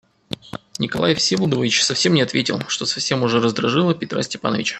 Николай Всеволодович совсем не ответил, что совсем уже раздражило Петра Степановича.